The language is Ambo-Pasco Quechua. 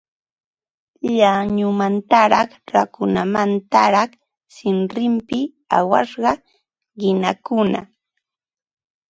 Llañumantaraq rakukamantaraq sinrinpi awasqa qinakuna